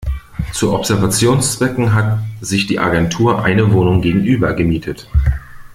Zu Observationszwecken hat sich die Agentur eine Wohnung gegenüber gemietet.